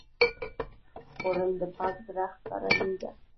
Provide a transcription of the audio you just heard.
خوړل د پاک زړه ښکارندویي ده